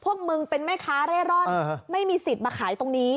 พวกมึงเป็นแม่ค้าเร่ร่อนไม่มีสิทธิ์มาขายตรงนี้